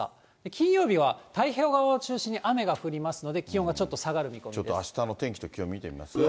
金曜日は太平洋側を中心に雨が降りますので、気温がちょっと下がちょっとあしたの天気と気温、見てみます。